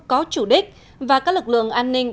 có chủ đích và các lực lượng an ninh